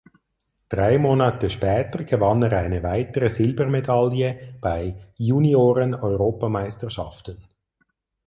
Drei Monate später gewann er eine weitere Silbermedaille bei Junioreneuropameisterschaften.